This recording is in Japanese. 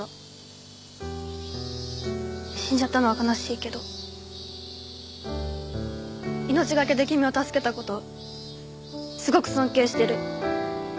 死んじゃったのは悲しいけど命がけで君を助けた事すごく尊敬してる。